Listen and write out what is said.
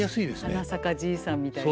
「はなさかじいさん」みたいなね。